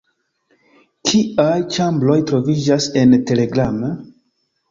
Kiaj ĉambroj troviĝas en Telegram?